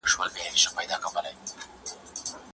زه به سبا ښوونځي ته ځم وم.